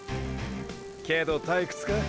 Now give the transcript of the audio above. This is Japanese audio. けど退屈か？